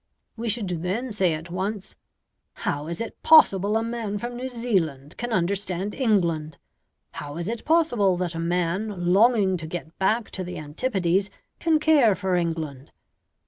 We should then say at once, "How is it possible a man from New Zealand can understand England? how is it possible, that a man longing to get back to the antipodes can care for England?